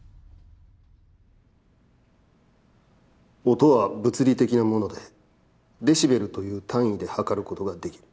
「音は物理的なもので、デシベルという単位で測ることができる。